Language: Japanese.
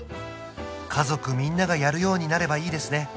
家族みんながやるようになればいいですね